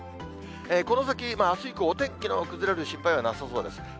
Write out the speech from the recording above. この先、あす以降、お天気の崩れる心配はなさそうです。